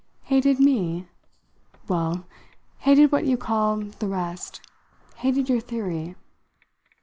"Hated me?" "Well, hated what you call 'the rest' hated your theory."